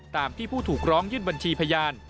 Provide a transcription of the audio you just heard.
ตามที่ผู้ถูกร้องยื่นบัญชีพยาน